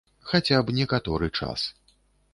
Хаця б некаторы час.